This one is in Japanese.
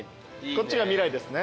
こっちが未来ですね。